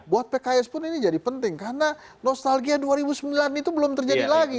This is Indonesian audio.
buat pks pun ini jadi penting karena nostalgia dua ribu sembilan itu belum terjadi lagi